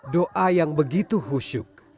doa yang begitu husyuk